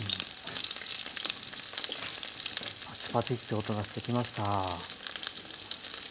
パチパチって音がしてきました。